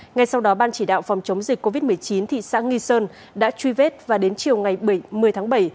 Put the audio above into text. ngay sau đó ban chỉ đạo phòng chống dịch covid một mươi chín thị xã nghi sơn đã truy vết và đến chiều ngày bảy mươi tháng bảy